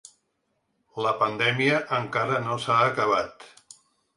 La pandèmia encara no s’ha acabat.